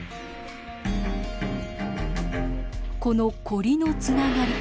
このコリのつながり